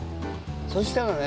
そしたらね